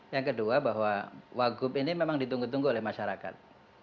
yang kedua bahwa wagub ini memang ditunggu tunggu oleh masyarakat